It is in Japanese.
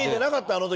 あの時。